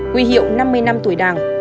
quý hiệu năm mươi năm tuổi đảng